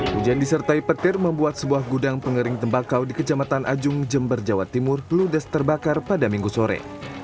hujan disertai petir membuat sebuah gudang pengering tembakau di kejamatan ajung jember jawa timur ludes terbakar pada minggu sore